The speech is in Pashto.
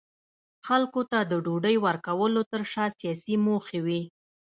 خلکو ته د ډوډۍ ورکولو ترشا سیاسي موخې وې.